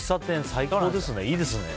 最高ですね。